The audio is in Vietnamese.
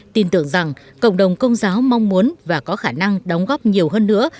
tin tưởng rằng cộng đồng công giáo mong muốn và có khả năng đóng góp nhiều hơn nữa